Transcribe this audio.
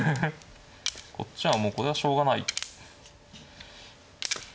こっちはもうこれはしょうがない。